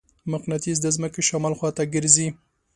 مقناطیس د ځمکې شمال خواته ګرځي.